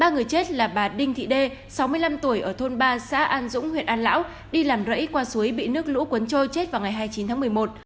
ba người chết là bà đinh thị đê sáu mươi năm tuổi ở thôn ba xã an dũng huyện an lão đi làm rẫy qua suối bị nước lũ cuốn trôi chết vào ngày hai mươi chín tháng một mươi một